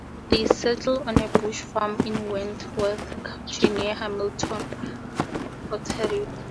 They settled on a bush farm in Wentworth County near Hamilton, Ontario.